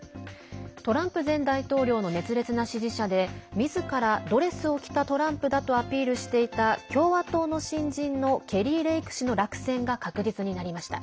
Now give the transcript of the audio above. トランプ前大統領の熱烈な支持者でみずからドレスを着たトランプだとアピールしていた共和党の新人のケリー・レイク氏の落選が確実になりました。